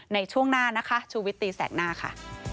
ในช่วงหน้านะคะชูวิตตีแสกหน้าค่ะ